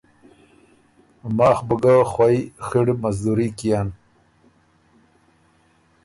ماخ بُو ګۀ خوئ خِړ مزدوري کيېن